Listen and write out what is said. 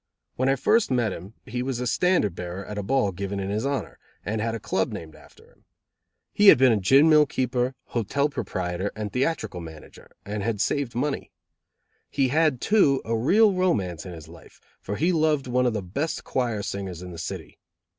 When I first met he was standard bearer at a ball given in his honor, and had a club named after him. He had been gin mill keeper, hotel proprietor, and theatrical manager, and had saved money. He had, too, a real romance in his life, for he loved one of the best choir singers in the city.